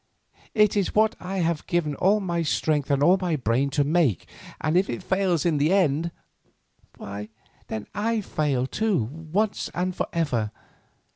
It is what I have given all my strength and all my brain to make, and if it fails in the end—why, then I fail too, once and forever.